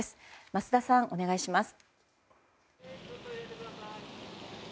増田さん、お願いします。